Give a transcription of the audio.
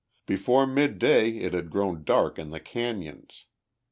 Before midday it had grown dark in the cañons.